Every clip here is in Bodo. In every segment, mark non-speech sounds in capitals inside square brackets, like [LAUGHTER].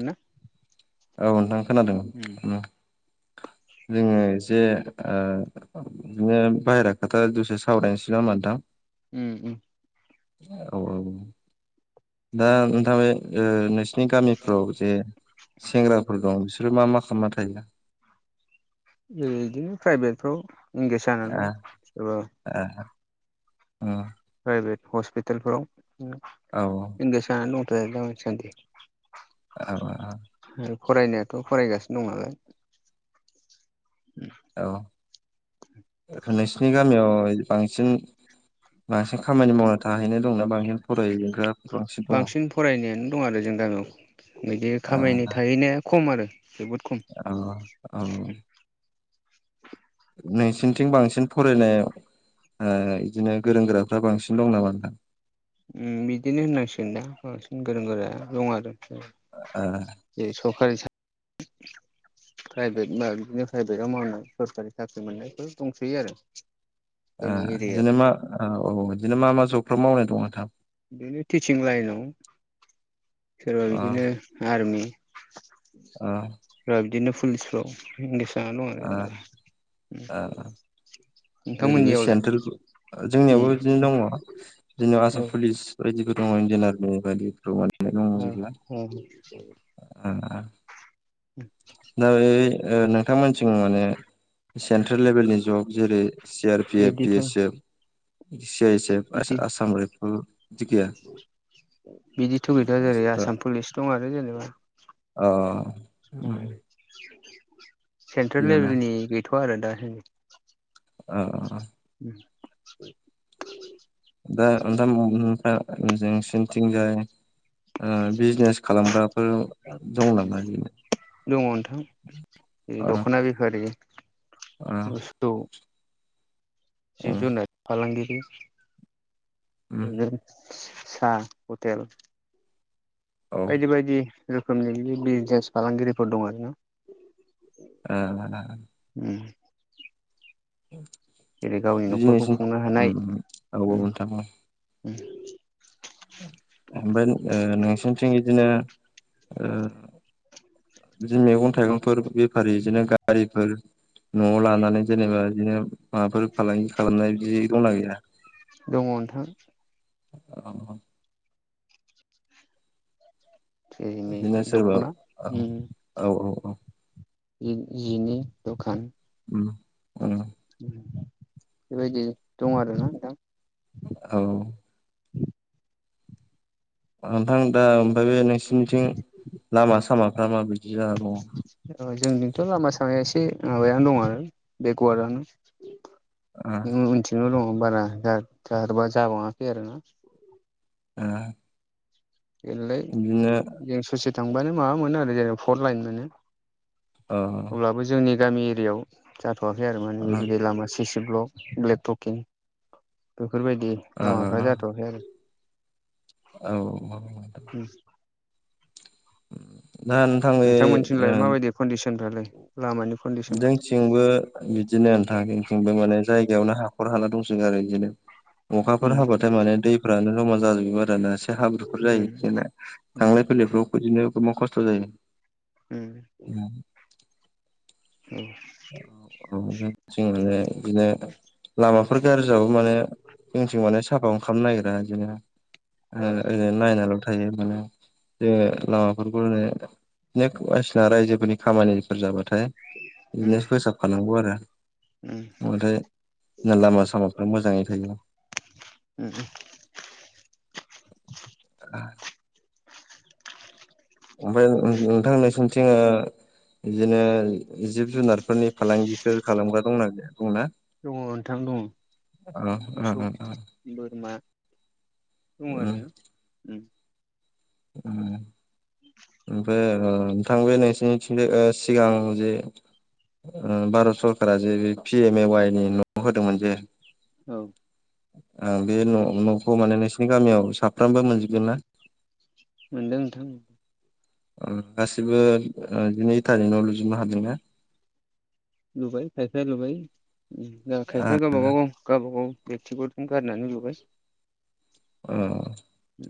होना औ नोंथां खोनादों जोङो जे ओ बिनो बाहेरा खोथा दसे सावरायनोसै नामा नोंथां? उम उम। औ औ दा नोंथां बे ओ नो नि गामिफ्राव जे सेंग्राफोर दं बिसोरो मा मा खालामना थायो? बिदिनो प्राइभेटफ्राव इंगेस जानानै आ दं सोरबा आ उम। प्राइभेट हस्पितालफोराव औ इंगेस जानानै दं। [UNINTELLIGIBLE] औओ। फरायनायाथ' फरायगासिनो दं नालाय। औ नोंसिनि गामियाव बांसिन बांसिन खामानि मावना थाहैनाय दंना बांसिन फरायै बांसिन फरायनायानो दं आरो जों गामियाव। बिदि आ खामायनो थायैनाया खम आरो जोबोद खम। औ औ। नोंसिनिथिं बांसिन फरायनायाव ओ बिदिनो गोरों - गोराफ्रा बांसिन दं नामा नोंथां? उम बिदिनो होननांसिगोन दा, बांसिन गोरों गोरा दं आरो। आ जे सखारि सा प्राइभेट मा बिदिनो प्राइभेटाव मावनाय सरखारि साख्रि मोननायफोर दंसैयो आरो। ओ जोंनि एरियायाव बिदिनो मा ओ औ बिदिनो मा-मा जबफ्राव मावनाय दं नोंथां? बिदिनो टिचिं लाइनाव सोरबा ओ बिदिनो आर्मि, ओ [UNINTELLIGIBLE] बिदिनो पुलिसफ्राव इ [UNINTELLIGIBLE] ओ ओ [UNINTELLIGIBLE] जेरै बे नोंथांमोननियावलाय? सेन्ट्रेल जोंनियावबो उम बिदिनो औ। [UNINTELLIGIBLE] इन्डियान आर्मि [UNINTELLIGIBLE] उ दंजोबला उ [UNINTELLIGIBLE] [INAUDIBLE] नोय ओ नोंथांमोनसिं माने सेन्ट्रेल लेभेलनि जग जेरै C R P F, P बिदिथ' एस एफ, सिआइसेब बिदि आसा-आसाम रायपल [UNINTELLIGIBLE] बिदिथ' गैद्राया' जाहैबाय आसाम पुलिस दं आरो जेनेबा। अ, उम। सेन्ट्रेल लेभेलनि गैथ'वा आरो दा सानदि। ओ [INAUDIBLE] दा नोंथा [UNINTELLIGIBLE] सिनिथिंजाय ओ बिजनेस खालामग्राफोर दं नामा बेनो? दङ नोंथां दखना बिफारि ओ बस्थु, ओ जिब-जुनार फालांगिरि, उम [UNINTELLIGIBLE] सा हटेल, औ बायदि-बायदि रोखोमनि बिदि बिजनेस फालांगिरिफोर दं आरोना। आ [UNINTELLIGIBLE] उ न'खरखौ खुंनो हानाय उम [UNINTELLIGIBLE] [UNINTELLIGIBLE] ओमफाय ओ नोंसोरनिथिं इदिनो ओ, बिदि मैगं थाइगंफोर बेफारि बिदिनो गारिफोर न'आव लानानै जेनेबा बिदिनो माबाफोर फालांगि खालामनाय बिदि दंना गैया? दङ नोंथां [INAUDIBLE] जेरै नै बिदिनो सोरबा दख'ना औ औ औ औ, इन जिनि दखान [UNINTELLIGIBLE] बेबायदि दं आरो ना दा? औ [INAUDIBLE] ओ नोंथां दा ओमफ्राय बे नोंसोरनिथिं लामा-सामाफ्रा माबायदि? जाना दङ औ जोंजोंथ' लामा सामाया एसे एसे माबायानो दं बे गुवारानो उनथिंनो दं। बारा जाथारबा जाबावाखै आरो ना? ओ बिदिनो एलाय ससे थांबानो माबा मोनो आरो जेनबा फर लाइन मोनो। ओ अब्लाबो जोंनि गामि एरियायाव जाथ'वाखै आरो माने ओ बेबायदि लामा सिसि ब्लक-ब्लेबटकिं बेफोरबायदि लामाफ्रा जाथ'वाखै आरो, औ औ उम दा नोंथां बे ओ नोंथांमोनथिंलाय माबायदि कन्डिसन फ्रालाय जोंथिंबो बिदिनो नोंथां जोंथिंबो माने जायगायावनो हा हाखर हाला दंसो गारो‌ बिदिनो अखाफोर उम हाबाथाय माने दैफ्रानो जमा जाजोबो आरो ना हाब्रुफोर जायो उम जेना उम थांलाय फैलायफ्राव बिदिनो गोबां खस्थ' जायो उम औ उम जों‌ बिदिनो लामाफोर गाज्रिजाबाबो माने जोंनिथिं माने साफाखौनो खालामनो नागिरा बिदिनो ओ औ ओ नायनाल' थायो माने जोङो उम लामाफोरखौनो बायसिना रायजोफोरनि खामानिफोर जाबाथाय उम बिदिनो फोसाब खानांगौ आरो उम नाथाय लामा सामाफ्रा मोजाङै थायो [INAUDIBLE] ओमफ्राय नोंथां नोंथां नोंसोरनिथिं ओ बिदिनो जिब जुनारफोरनि फालांगिफोर खालामग्रा दंना गैया दंना दङ नोंथां दङ ओ ओ मोसौ ओ बोरमा दङ आरो उम ओफ्राय ओ नोंथां बे नोंसिनिथिं सिगां जे ओ भारत सरकारा जे बे पि एम ए वाइ नि न' होदोंमोन जे औ आं बे' न'खौ माने नोंसिनि गामियाव साफ्रोमबो मोनजोबगोन ना मोनदों नोंथां ओ गासिबो ओ जिनै थारिखाव न लुजोबनो हादोंना लुबाय खायफाया लुबाय खायफाया गावबागाव गावबागाव बेक्थिगथ गारनानै लुगासिनो औ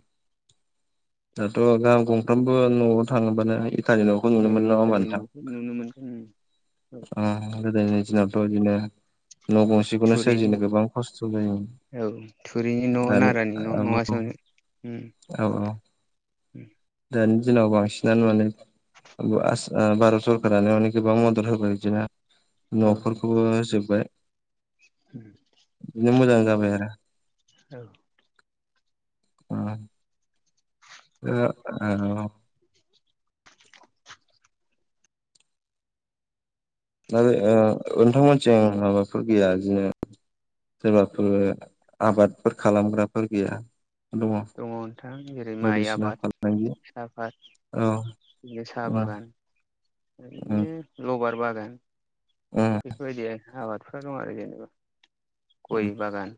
दाथ' गाहाम गंफ्रामबो न'आव थाङोबानो इटानि न'खौ नुनो मोनो इथानि नङा थारि न' नुनो मोनो आ गोदोनि जुनादफोर बिदिनो न' गंसेखौनो थुरिनि सोरजिनो गोबां खस्थ' जायोमोन औ थुरिनि न' दानि नारानि न' औ नङासोमोन औ औ दानि दिनाव बांसिनानो माने ओ आस भारत सरकारानो माने‌ गोबां मदद होबाय बिदिनो औ न'फोरखौबो होजोब्बाय। [INAUDIBLE] दिन मोजां जाबाय आरो औ। उम। ओ‌ ओ औ ओ आरो नोंथांमोनिथिं माबाफोर गैया बिदिनो सोरबाफोर आबादफोर खालामग्राफोर गैया। दङ नोंथां जेरै माइ बायदिसिना आबाद फालांगि औ। बि साहा उम बागान उम बिनो लबार बागान बागान उम बेफोरबायदि आबादफ्रा दं आरो जेनेबा उम गय बागान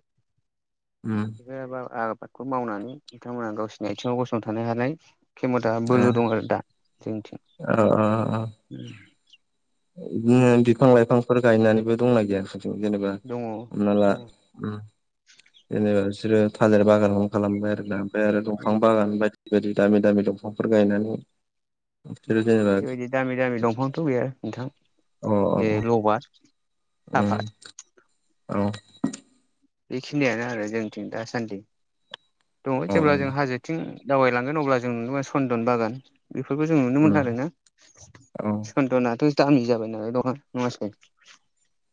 उम बेफोर आबादखौ मावनानै बिथांमोनहा गावसोरनि आथिङाव गसंथानाय हालाय खेमथा बोलो दं आरो दा जोंनिथिं ओ ओ बिदिनो बिफां लाइफांफोर गायनानैबो दंना गैया? ज जेनेबा दङ हमनाला दङ उम जेनेबा बिसोरो थालिर बागानखौ खालामबाय आरोना‌। ओमफ्राय आरो दंफां बागान बाय बेबायदि दामि दामि दंफांफोर गायनानै बिसोरो जेनेबा बेबायदि दामि दामि दंफांथ' गैया नोंथां। अ बे अ लबार उम, साफात औ। बेखिनियानो आरो जोंनिथिं दासान्दि। दङ अ जेब्ला जों हाजोथिं दावबायलांगोन अब्ला जों नुदोंमोन सनन्दन बागान बेफोरखौ जों नुनो मोनो अ आरोना। उम औ सन्दनाथ' दामि जाबाय नालाय [UNINTELLIGIBLE] नङासै।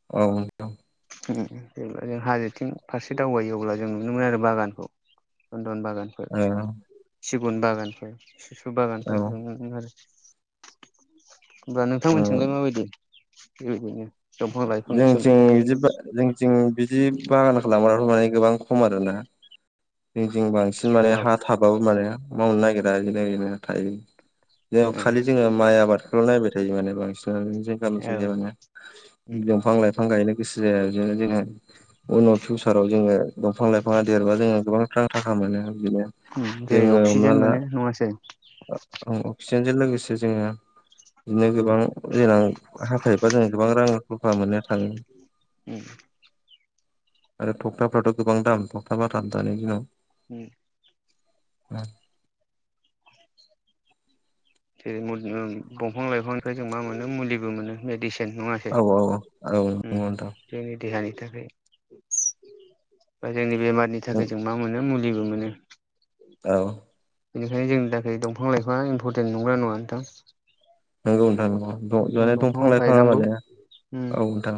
औ। जेब्ला जों हाजोथिं फारसे दावबायो अब्ला जों नुनो मोनो आरो बागानखौ। न बागानफोर, सिगुन बागानफोर, सिसु ओ औ बागानफोरखौ जों नुनो मोनो आरो होमबा नोंथांमोननिथिंलाय माबायदि, [UNINTELLIGIBLE] लाइफांनि जोंथि सोमोन्दै बिदिब जोंथिं बिदि बागानखौ [UNINTELLIGIBLE] गोबां खम आरोना। जोंं बां सिन माने औ हा थाबाबो माने मावनो नागिरा। [UNINTELLIGIBLE] थायो। जों खालि ए जोङो माइ आबादखौल' नायबाय थायो माने बांसिनानो औ [UNINTELLIGIBLE] उम दंफां लाइफां गायनो गोसो जाया बिदिनो जोङो उनाव फिउसाराव जोङो दंफां लाइफाङा देरबा जोङो गोबां थार थाखा मोनो बिदिनो उम जेरै जोङो हमना अक्सिजेन ला, मोनो नङासै औ जोंजों लोगोसे जोङो बिदिनो उम गोबां जेनां हाफायोबा जों गोबां रां [UNINTELLIGIBLE] मोननो थाङो। उम आरो थफताफ्राथ' गोबां दाम। तफथा बाथामफ्रा दानि दिनाव उम [INAUDIBLE] जेरै मुलि, दंफां लाइफांनिफ्राय जों मा मोनो मुलिबो मोनो मेदिसिन नङासै। औ औ उम नंगौ नोंथां जोंनि देहानि थाखाय बा जोंनि बेमारनि थाखाय जों मा मोनो मुलिबो मोनो। औ। बेनिखायनो जोंनि थाखाय दंफां लाइफाङा इम्परटेन्ट नंगौ ना नङा नोंथां। नंगौ नोंथां द माने दंफां लाइफां माने उम औ नोंथां।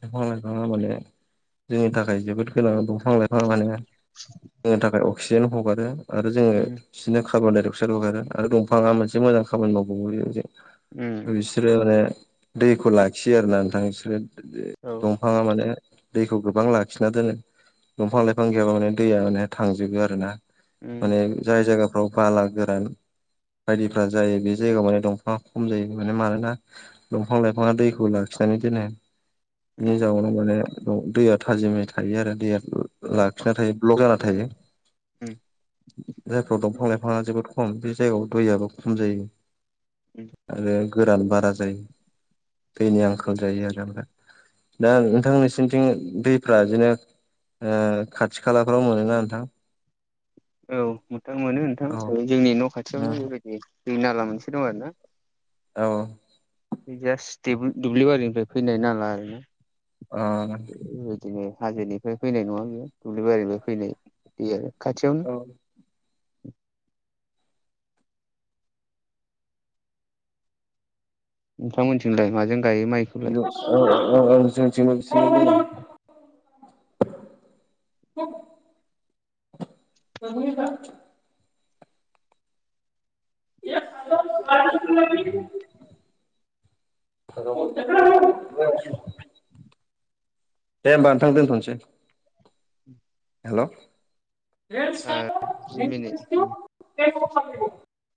दंफां लाइफाङा माने जोंनि थाखाय जोबोद गोनां दंफां लाइफां माने जोंनि थाखाय एक्सिजेन्ट हगारो आरो जोङो उम बिनो खारबनडाइ अक्साइत हगारो आरो दंफाङा मोनसे मोजां खामानि मावबावो बे उम बिसोरो माने दैखौ लाखियो आरो ना नोंथां बिसोरो औ दंफाङा माने दैखौ गोबां लाखिना दोनो। दंफां -लाइफां गैयाब्ला माने दैया माने थांजोबो आरो ना। उम माने जाय जायगाफ्राव बाला गोरान बायदिफ्रा जायो। बे जायगायाव माने दंफाङा खम जायो माने। मानोना दंफां- लाइफाङा दैखौ लाखि [UNINTELLIGIBLE] बिनि उम जाउनाव माने दैया थाजिमै थायो आरो दैया औ ला-लाखिना थायो, ब्लक जाना थायो। उम जायफ्राव दंफां -लाइफाङा जोबोद खम, बि जायगायाव दैयाबो खम जायो, उम आरो गोरान बारा जायो। दैनि आंखाल जायो आरो ओमफ्राय दा नोंथां नोंसोरनिथिं दैफ्रा बिदिनो ओ, खाथि खालाफ्राव मोनोना नोंथां? औ नोंथां मोनो नोंथां। औ जोंनि न' औ खाथियावनो बेबायदि दै नाला मोनसे दं आरो ना। औ। बे जास्ट दो- दुब्लि बारिनिफ्राय फैनाय नाला ओरोना। ओ बिदिनो हाजोनिफ्राय फैनाय नङा बेयो, दुब्लि बारिनिफ्राय फैनाय दै आरो खाथियावनो [UNINTELLIGIBLE] नोंथांमोनथिंलाय माजों गायो माइखौलाय [UNINTELLIGIBLE] [UNINTELLIGIBLE] [UNINTELLIGIBLE] [UNINTELLIGIBLE] दे होमबा नोंथां दोनथ'नोसै। हेल' जि मिनिट [UNINTELLIGIBLE] [UNINTELLIGIBLE]